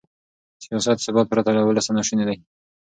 سیاسي ثبات پرته له ولسه ناشونی دی.